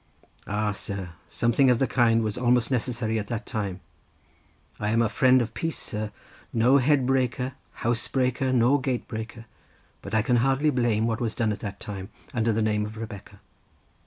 Ah, sir, something of the kind was almost necessary at that time. I am a friend of peace, sir; no head breaker, house breaker, nor gate breaker, but I can hardly blame what was done at that time, under the name of Rebecca.